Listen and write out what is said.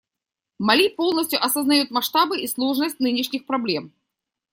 Мали полностью осознает масштабы и сложность нынешних проблем.